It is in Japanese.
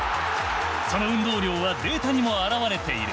この運動量はデータにも現れている。